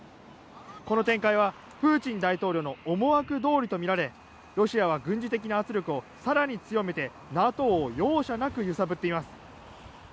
この展開はプーチン大統領の思惑どおりとみられロシアは軍事的な圧力を更に強めてＮＡＴＯを容赦なく揺さぶっています。